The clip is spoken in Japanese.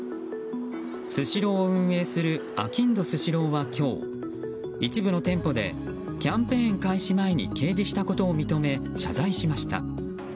スシローを運営するあきんどスシローは今日一部の店舗でキャンペーン開始前に掲示したことを認め謝罪しました。